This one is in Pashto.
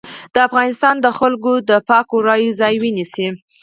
د افغانستان د خلکو د پاکو رايو ځای ونيسي.